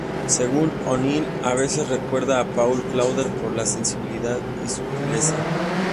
Según O'Neill, "a veces recuerda a Paul Claudel por su sensibilidad y sutileza".